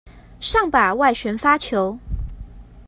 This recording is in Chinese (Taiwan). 上吧，外旋發球